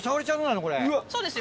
これ、そうですよ。